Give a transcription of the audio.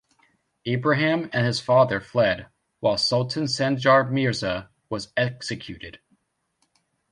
Ibrahim and his father fled, while Sultan Sanjar Mirza was executed.